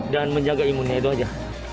dan menjaga imunnya itu saja